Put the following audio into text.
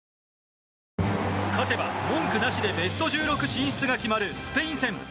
勝てば文句なしでベスト１６進出が決まるスペイン戦。